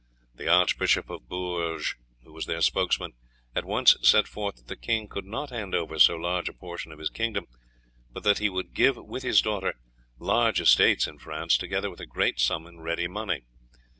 The Archbishop of Bourges, who was their spokesman, at once set forth that the king could not hand over so large a portion of his kingdom, but that he would give with his daughter large estates in France, together with a great sum in ready money.